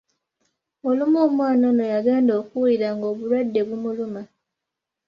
Olumu omwana ono yagenda okuwulira ng’obulwadde bumuluma.